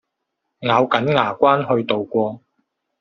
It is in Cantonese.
咬緊牙關去渡過